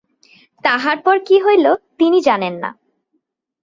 তাহার পর কী হইল তিনি জানেন না।